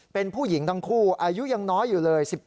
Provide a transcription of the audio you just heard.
เป็นผู้หญิงทั้งคู่อายุยังน้อยอยู่เลย